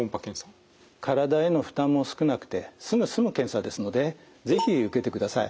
体への負担も少なくてすぐ済む検査ですので是非受けてください。